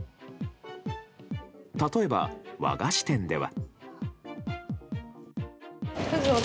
例えば、和菓子店では。